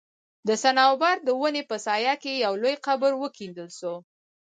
د صنوبر د وني په سايه کي يو لوى قبر وکيندل سو